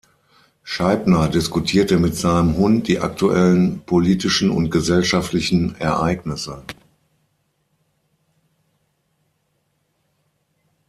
Scheibner diskutierte mit seinem Hund die aktuellen politischen und gesellschaftlichen Ereignisse.